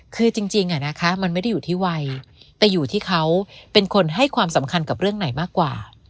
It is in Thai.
คือจริงมันไม่ได้อยู่ที่วัยแต่อยู่ที่เขาเป็นคนให้ความสำคัญกับเรื่องไหนมากกว่า